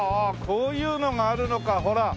こういうのがあるのかほら。